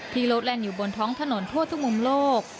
โลดแลนดอยู่บนท้องถนนทั่วทุกมุมโลก